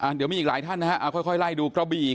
เดี๋ยวมีอีกหลายท่านนะฮะเอาค่อยไล่ดูกระบี่